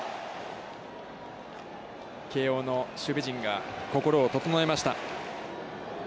慶応の守備陣が心を整えました。